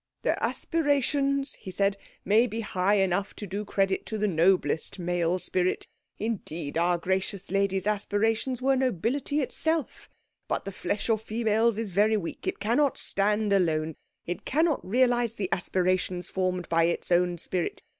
"Their aspirations," he said, "may be high enough to do credit to the noblest male spirit; indeed, our gracious lady's aspirations were nobility itself. But the flesh of females is very weak. It cannot stand alone. It cannot realise the aspirations formed by its own spirit.